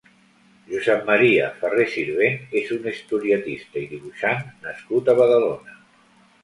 Josep Maria Ferrer Sirvent és un historietista i dibuixant nascut a Badalona.